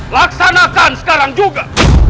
laksanakan sekarang juga